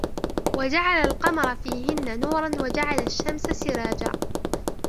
وَجَعَلَ الْقَمَرَ فِيهِنَّ نُورًا وَجَعَلَ الشَّمْسَ سِرَاجًا